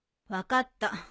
分かった。